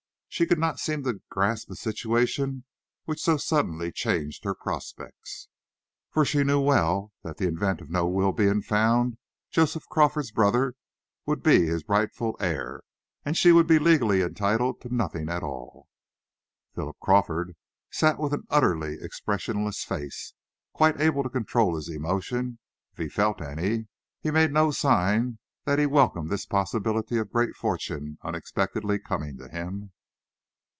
She could not seem to grasp a situation which so suddenly changed her prospects. For she well knew that in the event of no will being found, Joseph Crawford's brother would be his rightful heir, and she would be legally entitled to nothing at all. Philip Crawford sat with an utterly expressionless face. Quite able to control his emotion, if he felt any, he made no sign that he welcomed this possibility of a great fortune unexpectedly coming to him.